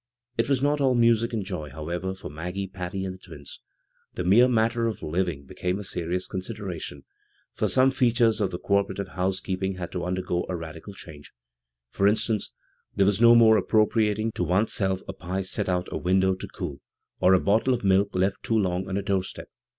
It was not all music and joy, however, for Maggie, Patty, and the twins. The mere matter of living became a serious considera tion, for some features of the cooperative housekeeping had to undergo a radical change For instance, there was no more appropriating to one's self a pie set out a window to cool, or a bottie of milk left too long on a door step.